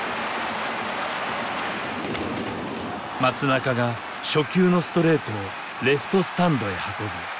松中が初球のストレートをレフトスタンドへ運ぶ。